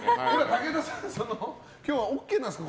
武田さん、今日はＯＫなんですか？